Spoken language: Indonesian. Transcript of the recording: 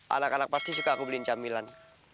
anak anak pasti suka aku beliin camilan